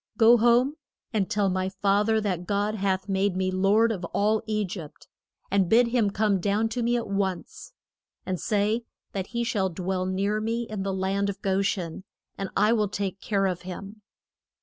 Go home and tell my fath er that God hath made me lord of all E gypt, and bid him come down to me at once. And say that he shall dwell near me, in the land of Go shen, and I will take care of him.